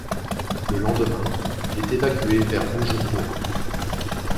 Le lendemain, il est évacué vers Bujumbura.